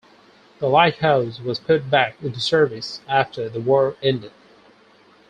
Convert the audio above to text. The lighthouse was put back into service after the war ended.